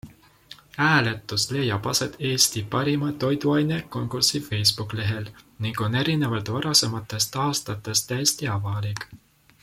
Hääletus leiab aset Eesti Parima Toiduaine konkursi Facebook-lehel ning on erinevalt varasematest aastatest täiesti avalik.